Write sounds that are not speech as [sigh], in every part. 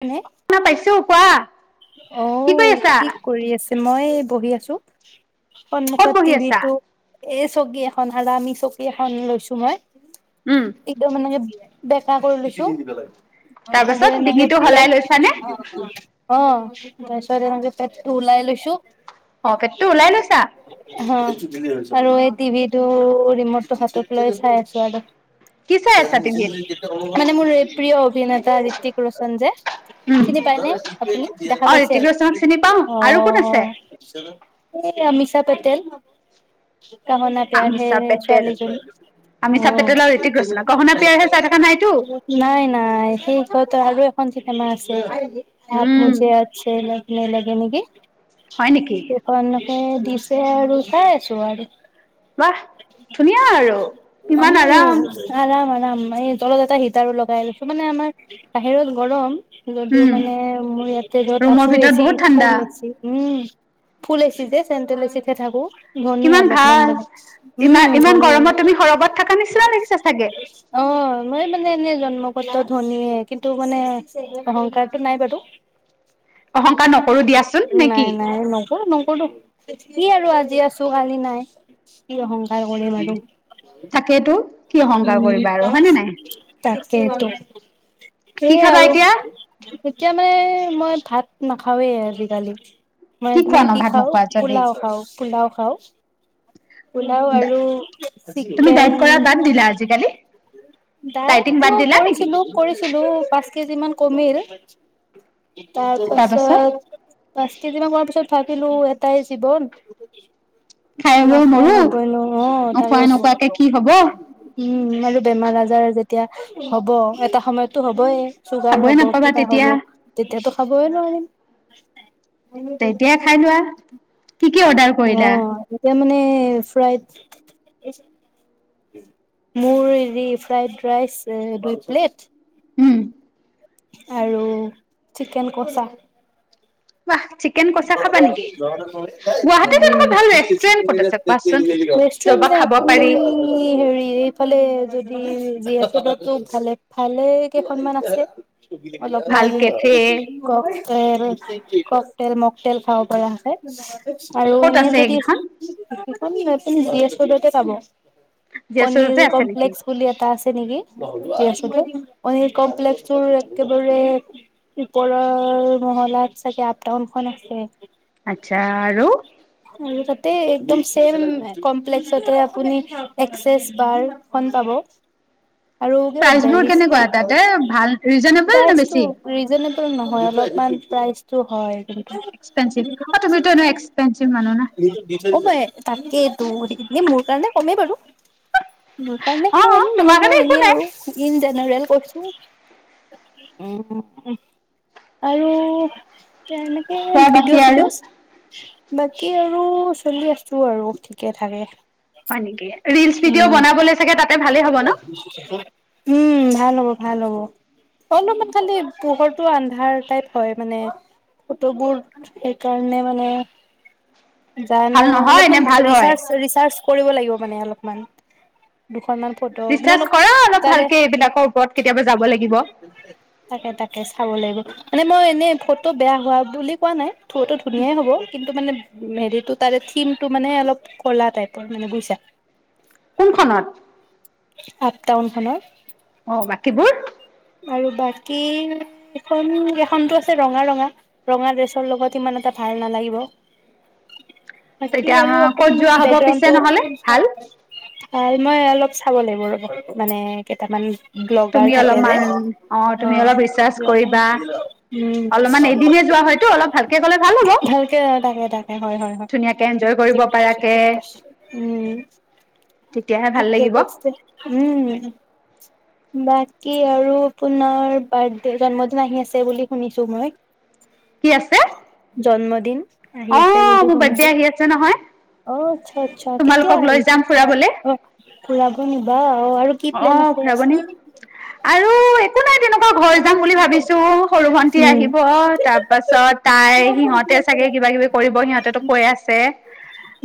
মানে শুনা পাইছো কোৱা অ কি কৰি আছা কি কৰি আছে মই বহি আছো। ক'ত সন্মোসত টি বহি আছা ভিটো এ চকী এখন সাআমি চকী এখন লৈছো মই উম একদম মানে বি বেকা কৰি লৈছো তাৰ আৰু পাছত এনেকে ডিঙিটো ত [unintelligible] সলাই লৈছানে অ তাৰপিছত এনেকে পেটটো ওলাই লৈছো অ পেতটো ওলাই লৈছা? হ আৰু এই টিভি টো ৰিমটটো হাতত লৈ চাই আছো আৰু কি চাই ত আছা মিচয়া টিভিত [unintelligible] [unintelligible] মানে মোৰ প্ৰিয় অভিনেতা ঋতিক ৰোচন যে উম চিনি পাইনে আপুনি দেখা অ পাইছে ঋতিক ৰোশনক চিনি পাও আৰু কোন আছে অ আমিষা পেটেেল কাহোনা প্ৰিয়াৰ সে আমিষা পেটেল ছোৱালীজনী অ আমিষা পেটেল আৰু ঋতিক ৰোশন আকৌ শুনা পিয়াৰহে চাই থকা নাইতো নাই নাই সেই হয় ত আৰু সঞ্চিতা মা আছে [unintelligible] আপ উম মুজে আতছে লা নেলাগে নেকি? হয় নেকি প [unintelligible] এ দিছে আৰু চাই আছো আৰু বাহ ধুনীয়া আৰু ইমান আৰাম ন মানে [unintelligible] তলত এটা শীতাৰু ল কাইলে সেইটো মানে আমাৰ [unintelligible] বাহিৰে [unintelligible] গৰম যদিও উম মানে মোৰ ইয়াতে যত ৰুমৰ আছো ভিতৰত এচি বহুত ফুল ঠাণ্ডা এচি। উম ফুল এচি যে চেণ্ট্ৰেল এচিতে থাকো। ধনী কিমান অলপমান ভাল মানে ইমান উম ইমান ধনী। গৰমত তুমি সৰবত থকা নিচিনা লাগিছে চাগে অ মই মানে এনেই জন্মগত ধনীয়ে কিন্তু মানে অহংকাৰটো নাই বাৰু অহংকাৰ নকৰোঁ দিয়াচোন্ নে কি? অ নকৰো কি আৰু আজি আছো কালি নাই কি অহংকাৰ কৰিম আৰু। তাকেইটো কি অহংকাৰ কৰিবা আৰু হয়নে নাই? ঠিকে সেইটোৱেই। কি সেয়ে খাবা আৰু এতিয়া এতিয়া মানে মই ভাত নাখাওঁৱেই আজিকালি। মই সেইটো খোৱা মানে ন কি ভাত খাওঁ নোখোৱা যদি পোলাও খাওঁ পোলাও। হয় পোলাও আৰু তুমি চিকেন। ডাইট কৰা মই বাদ দিলা আজিকালি ডাইটিং বাদ কৰিছিলো দিলা নেকি কৰি ছিলো পাঁচ কেজি মান কমিল, তাৰ পাছত তাৰপাছত পাঁচ কেজি মান হোৱাৰ পিছত ভাবিলোঁ এটাই জীৱন, খাই বৈ নাখাই মৰো নবৈনো অ তাৰে নোখোৱাই আছ নোখোৱাকে কি হব উম আৰু বেমাৰ আজাৰ যেতি এতিয়া হ'ব। এটা সময়ত এইটো হ'বই । চুগাৰ খাবই হ'ব, নাপাবা কিবা তেতিয়া হ'ব, তেতিয়াতো খাবই নোৱাৰিম! তেতিয়া, খাই লোৱা কি কি অৰ্ডাৰ অ কৰিলা । এতিয়া মানে, ফ্ৰাইড মোৰ হেৰি, ফ্ৰাইড ৰাইচ দুই প্লেট! উম আৰু চিকেন কঁচা । ৱাহ! গুৱাহাটীত এনেকুৱা ভাল ৰেষ্টুৰেন্ট ক'ত আছে কোৱাচোন ৰেষ্টুৰেণ্ট যবা মানে, খাব আপুনি পাৰি হেৰি এইফালে যদি যিহেতু, এইটো ভালে, ভালে কেইখনমান আছে । ভাল অলপমান কেফে ককটেইল টেইল, মকটেইল খাব পাৰা হ'লে আৰু ক'ত এনেই আছে যদি সেইখন আপুনি, নাৰ্ছিং জি এছ ৰোডতে যাব । পনীৰ জিয়াচৰতে আছে নেকি? কমপ্লেক্স বুলি এটা আছে নেকি? [unintelligible] পনীৰ কমপ্লেক্সৰ একেবাৰে ওপৰৰ মহলাত চাগে টাউনখন আছে । আচ্ছা! আৰু আৰু তাতে একদম চেম কমপ্লেক্সতে আপুনি এক্সেছ বাৰখন পাব । আৰু কিবা প্ৰাইচ বোৰ বেৰিষ্টা কেনেকুৱা [unintelligible] তাতে ভাল ৰিজনেবল নে বেছি নহয়, অলপমান প্ৰাইজটো? হয় । এক্সপেঞ্চিভ অ! তুমিতো এনেও এক্সপেঞ্চিভ মানুহ ন । কমেই, তাকেইতো মোৰ কাৰণে কমেই বাৰু । মোৰ কাৰণে অ কম মানে তোমাৰ মই কাৰণে একো এনেই নাই। আৰু ইন জেনেৰেল । কৈছো আৰু তই, এনেকে খোৱা বাকী ভিডিঅ' আৰু চিডিঅ' চা বাকী আৰু চলি আছো আৰু ঠিকে- থাকে। হয় নেকি? ৰিলচ ভিডিঅ' উম। বনাবলৈ চাগে তাত [unintelligible] উম, ভাল হ'ব! ভাল হ'ব! অলপমান খালি পোহৰটো আন্ধাৰ টাইপ হয়, মানে ফটোবোৰ সেইকাৰণে মানে ভাল জানো, নহয় অলপমান নে ভাল হয়? ৰিচাৰ্জ ৰিচাৰ্জ কৰিব লাগিব মানে, অলপমান । অকনমান ফটো মানে ৰিচাৰ্চ অলপ কৰা অলপ তাৰে ভালকে এইবিলাকৰ ওপৰত কেতিয়াবা যাব লাগিব। তাকে তাকে চাব লাগিব । মানে মই এনেই ফটো বেয়া হোৱা বুলি কোৱা নাই। ফটো ধুনীয়াই হ'ব কিন্তু মানে হেৰিটো তাৰে থিমটো মানে অলপ কলা টাইপৰ মানে বুইছা। কোনখনত? আঠ টাউন খনত অ বাকীবোৰ আৰু বাকী এখন এখনটো আছে ৰঙা ৰঙা ৰঙা ড্ৰেছৰ লগত ইমান এটা ভাল নালাগিব বাকী তেতিয়া আৰু আমাৰ ক'ত অকমান যোৱা হ'ব পিছে বেকগ্ৰাউডটো নহ'লে ভাল? মই অলপ চাব লাগিব ৰব মানে কেইটামান তুমি ব্লগাৰ থাকে যে অলপমান [unintelligible] অ অ তুমি অলপ ৰিচাৰ্চ কৰিবা অলপমান এদিনে যোৱা হয়তো অলপ ভালকে গ'লে ভাল হ'ব ভালকে তাকে তাকে হয় হয় হয় ধুনীয়াকে এনজয় কৰিব ঠিক কৈছে পাৰাকে তেতিয়াহে ভাল ঠিকে লাগিব কৈছে উ কি আৰু আৰু আপোনাৰ বাৰ্থডে জন্মদিন আহি আছে বুলি শুনিছো মই। কি আছে দিন আহি অ আছে বুলি মোৰ বাৰ্থডে শুনিছো। আহি আছে নহয় অ আচ্ছা আচ্ছা কেতিয়া তোমালোকক আহি লৈ যাম কেতিয়া ফুৰাবলে আহ ফুৰাব নিবা অ আৰু কি অ প্লেন আছে ফুৰাব নিম আৰু একো নাই তেনেকুৱা ঘৰ যাম বুলি ভাবিছো সৰু ভন্টি আহিব তাৰ পাছত তাই সিহঁতে চাগে কিবা কিবি কৰিব সিহঁতেতো কৈ আছে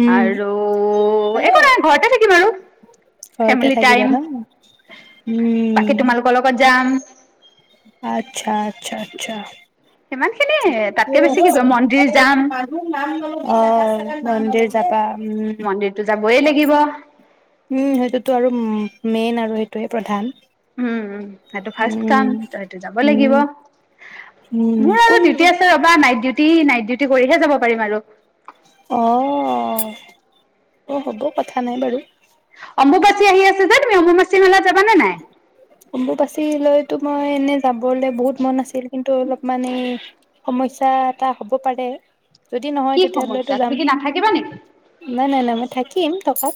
উম উম আৰু একো নাই ঘৰতে থাকিম আৰু ঘৰতে ফেমিলি টাইম থাকিবা ন? উম বাকী তোমালোকৰ লগত যাম। আচ্ছা আচ্ছা আচ্ছা! সিমান খিনিয়ে ঠিকে তাতকে বেছি কি কৰিম মন্দিৰ যাম আছে। অ মন্দে যাবা। উম মন্দিৰটো যাবই লাগিব উম উম সেইটোতো আৰু মেইন আৰু। আৰু সটোৱেই প্ৰধান। সেইটো ফাৰ্ষ্ট কাম উম তাতটো যাব উম লাগিব উম ।মোৰ আৰু কোন ডিউটি আছে ৰবা নাইটডিউটি টি নাইট ডিউটি কৰিহে যাব পাৰিম আৰু। অ অ হ'ব কথা নাই বাৰু। অম্বুবাচী আহি আছে যে তুমি অম্বুবাচী। মেলাত যাবানে নাই অম্বু বাচি লৈ। তটো মই এনে যাবলে বহুত মন আছিল কিন্তু অলপ মান এই সমস্যা এটা হ'ব পাৰে। যদি নহয় কি তেতিয়াহলেতো সমস্যা যাম, তুমি কি নাথাকিবা নেকি নাই নাই নাই মই থাকিম। থাকিম থকাত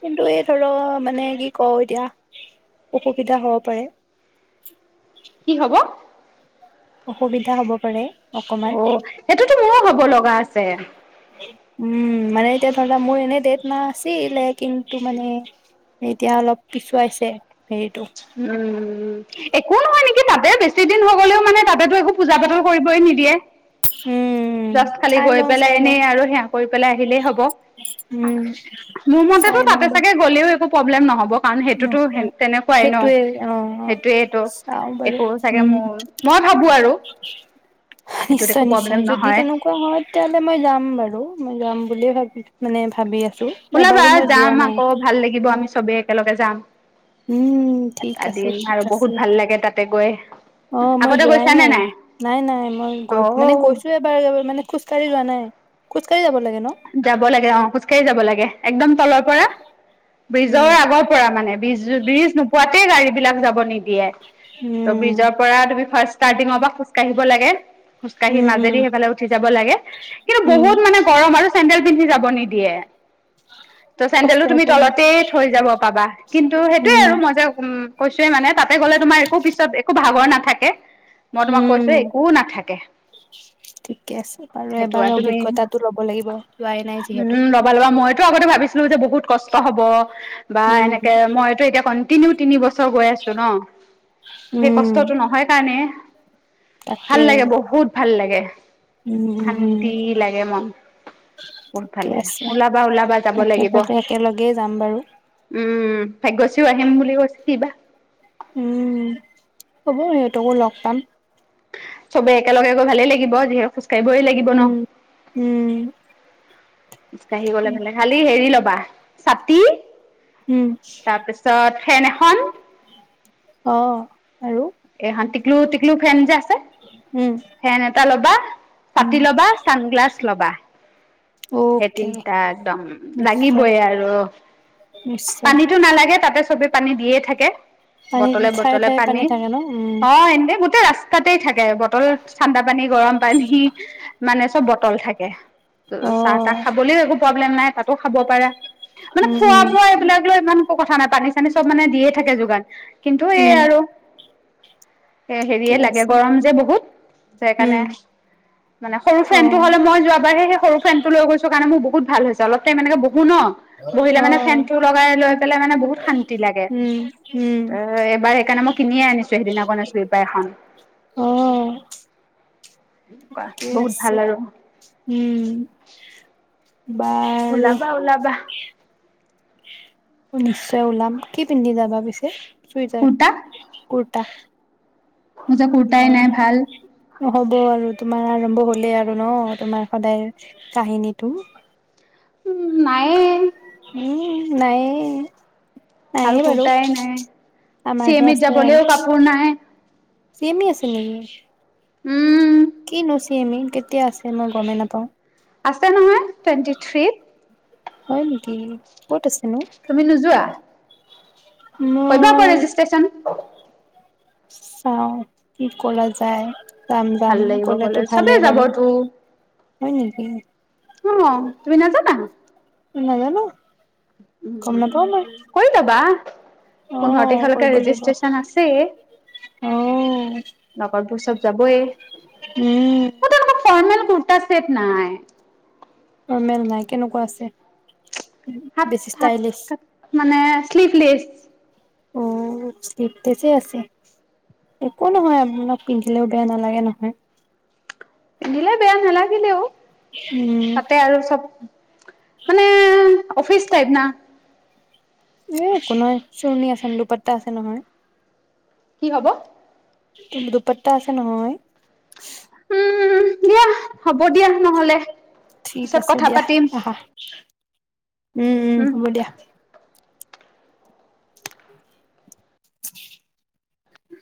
কিন্তু এই ধৰক মানে কি কওঁ এতিয়া। অসুবিধা হ'ব পাৰে। কি হব? অসুবিধা হব পাৰে। অকমান, সেইটোতো মোৰো হব লগা আছে উম মানে এতিয়া ধৰি লোৱা মোৰ এনে ডট। নাছিলে কিন্তু মানে এতিয়া অলপ পিছুৱাইছে। হেৰিটো উম একো নহয় নেকি। কি তাতে বেছি দিন হ গলেও মানে তােতো একো পূজা পাতল কৰিবই নি যিয়ে। উম জাষ্ট খালি চাই গৈ লওঁ পেলাই চাই লওঁ এনেই আৰু সেৱা কৰি পেলাই আহিলেই হব। উম মোৰ মতেতো চাই লওঁ তাতে বাৰু চাগে গলেও একো প্ৰব্লেম নহ'ব পান সেইটোতো তেনেক সেইটোয়ে অ অ চাও বাৰু। একো চাগে উম মোৰ মই ভাবো আৰু সেইটোত একো নিশ্চয় নিশ্চয় প্ৰব্লেম যদি নহয় তেনেকুৱা হয় তেতিাহলে মই যাম বাৰু মই। যাম বুলি ভাবি মানে ভাবি আছো। ওলাবা এবাৰো মই যোৱা যাম নাই আকৌ ভাল লাগিব আমি চবেই একেলগে যাম। উম ঠিক এটা আছে, দিন ঠিক আৰু বহুত আছে ভাল লাগে তাতে গৈ ।অ মই আগতে যোৱাই গৈছানে নাই, নাই নাই মই অ গৈ মানে গৈছো এবাৰবাৰ মানে খোজকাঢ়ি যোৱা নাই। খজকাঢ়ি য লাগে। ন যাব লাগে অ খোজ কঢ়ি যাব লাগে। একদম তলৰ পৰা উম ব্ৰিজৰ আগৰ পৰা মানে বিজ-ব্ৰিজ নোপোৱ তাতে গাড়ী বিলাক যাব নিদিয়ে ত' উম ব্ৰিজৰ পৰা তুমি ফাৰ্ষ্ট ষ্টাৰ্টিঙৰ পৰা খোজকাঢ়িব লাগে খোজকাঢ়ি উম উম মাজেদি সেইফালে উঠি যাব লাগে কিন্তু উম বহুত মানে গৰম আৰু ছেন্দেল পিন্ধি যাব নিদিয়ে ত কষ্ট চেন্দেলটো হ'ব তুমি অলপ তলতে থৈ যাব পাবা কিন্তু সেইটোয়ে উম আৰু মই যে কৈছোৱয়ে মানে তাতে গ'লে তোমাৰ একো পিছত একো ভাগৰ না থাকে উম ঠিকে আছে বাৰু সেইটো এবাৰ আৰু তুমি অভিজ্ঞতাটো লব লাগিব । ল যোৱাই নাই যিহেতু । আতে ভাবিছোঁ যে বহুত কষ্ট হব বা উম এনেকে মইতটো এতিয়া তিও তিনি বছৰ ৰ গৈ আছো ন সেই উম কষ্টটো নহয় কাৰণে ভাল তাকে লাগে বহুত ভাল লাগে উম উম ডি লাগে মন বহুত ভাল ঠিকে লাগে আছে ওলাবা ওলাবা যাব লাগিব একেলগতে একেলগেই যাম বাৰু উম উম ভাগ্যশীও আহিম বুলি কৈছে কি বা উম হ'ব সিহঁতকো লগ পাম চবে একেলগে গৈ ভালেই লাগিব, যিহু কৰিবই লাগিব ন উম উম [unintelligible] াঢ়ি গলে মানে খালি হেৰি ল'ব ছাতি? উম তাৰপিছত ফেন এখন অ আৰু? এ হা তিকলো, তিকলু ফেন য উম ফেন এটা লবা উম চাতি ল'বা চানগ্লাছ লবা, সেই অ'কে তিনটা একদম নিশ্চয় লাগিবইে আৰু নিশ্চয় পানীতটো নালাগে তাতে চবে পানী দিয়ে থাকে পানী ঠায়ে ঠায়ে পানী থাকে ন, উম হয় - গোটতে ৰাস্তাতে থাকে, বটল ঠা্ডা পানী গৰম পানী মানে চব বটল থাকে, ত অ চাহ তাহ খাবলৈ একো প নাই খাব পাৰো, মানে উম খোৱা উম বোৱা এইবিলাক লৈ ইমান একো কথা নাই পানী চানী চব মানে দিয়ে থাকে যোগান কিন্তু এই উম আৰু ঠিকে হেৰিয়ে লাগে আছে গৰম যে বহুত স উম সেইকাৰণে মানে সৰু অ ফেন টো হলে মই যোৱাবাৰে সেই সৰু ফেন টো লৈ গৈছো কাৰণে মোৰ বহুত বহত ভাল হৈছে অলপ ততে মানে বহো ন, বহিলে অ মানে ফেন টো লগাই লৈ মানে বহুত শান্তি লাগে, উম উম ত এবাৰ সেইকাৰণে মই কিনিয়ে আনিছো। সদিনাখনণ আ চ পাই এখন [unintelligible] অ বহুত আছে, ভাল আৰু উম বাৰু ওলাবা ওলাবা নিশ্চয় ওলাম, কি পিন্ধি যাবা পিছে? সুইজাৰ, কুৰ্তা কুৰ কুত্তা [unintelligible] ম যো কটাই নাই ভাল হ'ব আৰু তোমাৰ আৰম্ভ হলেই আৰু ন তোমাৰ সদায় কাহিনীটো উম নাইে উম নাই ভাল নায়ে বাৰু কুৰ্তাই নাই চি আমাৰহে এম ইত আছে আৰু যাবলৈও কাপোৰ নাই চমি আছে নেকি উম কি নুচি এমি কেতিয়া আছে মই গমেই নাপাওঁ আছে নহয় টুৱেণ্টি থ্ৰীত হয় নেকি ক'ত আছেনো তুমি নোযোৱা [inaudible] কৰিবা আকৌ ৰেজিষ্ট্ৰ্যচন চাও কি কৰা যায় যাম ভাল যাম লাগিব কলেজ কলেতো চবেই ভালেই বাৰু যাবতো হয় নেকি অ তুমি নাজানা ন নাজানো উ গম নাপাও মই কৰি লবা অ পোন্ধৰ তাৰিখলৈকে কৰিব লাগিব ৰেজিষ্ট্ৰেচন আছে অ লগতবোৰ চব যাবয়ে উম। কুৰ্তা সেত নাই। অ মেল নাই কেনেকুৱা আছে বেছি ষ্টাইলিছ। শ্লিপলেছ। অঁ, শ্লিপলেছে আছে একো নহয় আপোনাক পিন্ধিলেও বেয়া নালাগে নহয়। দিলে বেয়া নালাগে হেল্ল। উম তাতে আৰু চব। মানে অফিচ টাইপ না। এই একো নাই চুৰণি আছে দুপাতটা আছে নহয়। কি হব। কিন্ত দুপাতটা আছে নহয়। [inaudible] উম দিয়া হ'ব দিয়া নহলে। ঠিক পিছত আছে কথা দিয়া পাতিম, আহা। উম উম হ'ব দিয়া। উম।